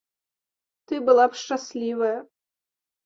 Ты была б шчаслівая.